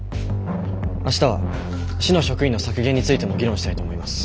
明日は市の職員の削減についても議論したいと思います。